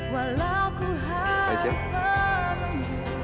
walau ku harus menunggu